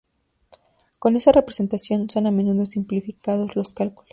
Con esta representación, son a menudo simplificados los cálculos.